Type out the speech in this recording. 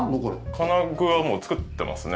金具はもう作ってますね。